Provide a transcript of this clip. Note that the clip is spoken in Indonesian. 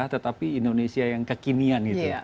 tetapi indonesia yang kekinian gitu